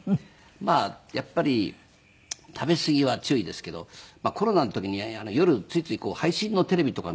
まあやっぱり食べ過ぎは注意ですけどコロナの時に夜ついつい配信のテレビとか見て。